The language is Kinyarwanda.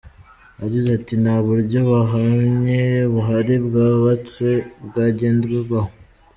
Yagize ati “Nta buryo buhamye buhari bwubatse bwagenderwaho.